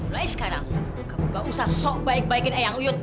mulai sekarang kamu gak usah sok baik baikin eyang uyut